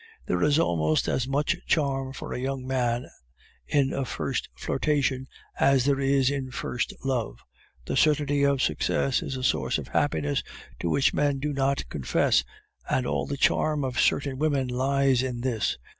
There is almost as much charm for a young man in a first flirtation as there is in first love. The certainty of success is a source of happiness to which men do not confess, and all the charm of certain women lies in this.